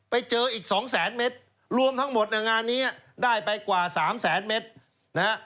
ไปเจออีกสองแสนเมตรรวมทั้งหมดในงานนี้ได้ไปกว่าสามแสนเมตรนะฮะ